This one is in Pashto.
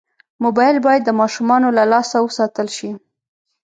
موبایل باید د ماشومانو له لاسه وساتل شي.